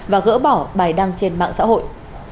và gỡ bỏ bài đăng trên mạng xã hội